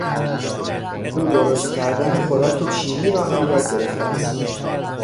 او درست کردن خوراک چینی را هم یاد گرفته است.